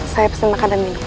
saya pesen makanan ini